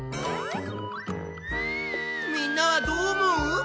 みんなはどう思う？